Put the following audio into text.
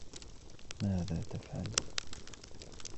ماذا تفعلن؟